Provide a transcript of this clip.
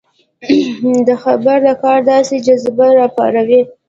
د خیر د کار داسې جذبه راپاروي.